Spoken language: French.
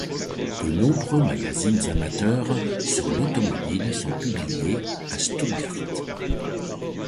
De nombreux magazines amateurs sur l'automobile sont publiés à Stuttgart.